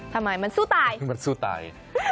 ทำไมมันสู้ตาย